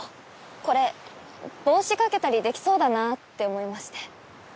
これ帽子掛けたりできそうだなって思いまして。